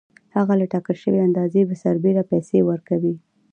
هغه له ټاکل شوې اندازې سربېره پیسې ورکوي